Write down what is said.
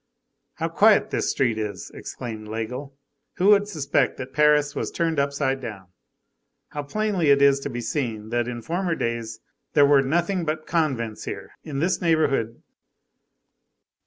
"How quiet this street is!" exclaimed Laigle. "Who would suspect that Paris was turned upside down? How plainly it is to be seen that in former days there were nothing but convents here! In this neighborhood!